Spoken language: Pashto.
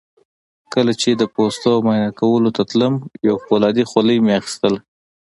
کله چې د پوستو معاینه کولو ته تلم یو فولادي خولۍ مې اخیستله.